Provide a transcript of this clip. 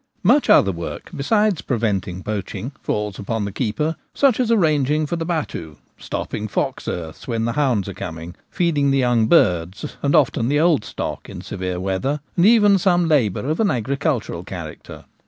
MUCH other work besides preventing poaching falls upon the keeper, such as arranging for the battue, stopping fox ' earths ' when the hounds are coming, feeding the young birds and often the old stock in severe weather, and even some labour of an agricul tural character.